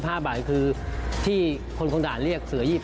๕บาทคือที่คนคงด่าเรียกเสือ๒๐